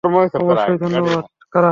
অবশ্যই, ধন্যবাদ।